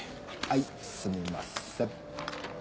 はいすみません。